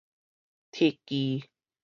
鐵支